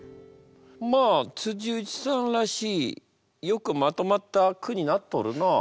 まあ内さんらしいよくまとまった句になっとるなあ。